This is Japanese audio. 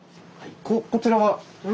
こちらは？